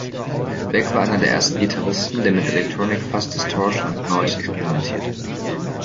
Beck war einer der ersten Gitarristen, der mit "electronic fuzz distortion" und "noise" experimentierte.